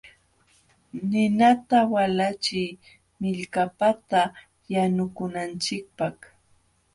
Ninata walachiy millkapata yanukunanchikpaq.